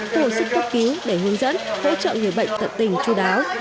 từ hồi sức cấp cứu để hướng dẫn hỗ trợ người bệnh tận tình chú đáo